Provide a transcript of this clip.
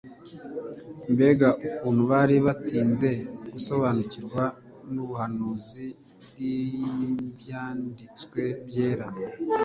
Mbega ukuntu bari batinze gusobanukirwa n'ubuhanuzi bw'Ibyanditswe byera!